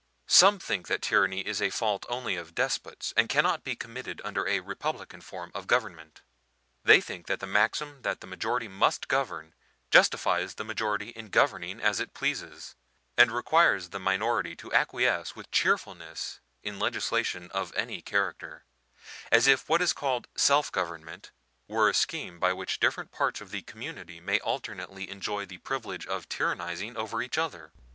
Some think that tyranny is a fault only of despots, and cannot be committed under a republican form of government; they think that the maxim that the majority must govern justifies the majority in governing as it pleases, and requires the minority to acquiesce with cheerfulness in legislation of any character, as if what is called self government were a scheme by which different parts of the community may alternately enjoy the privilege of tyrannizing over each other.